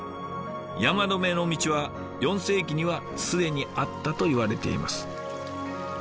山辺の道は４世紀には既にあったといわれています。